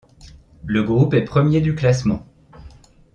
le groupe est premier du classement